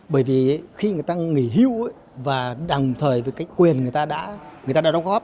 bởi vì khi người ta nghỉ hưu và đằng thời với cái quyền người ta đã đóng góp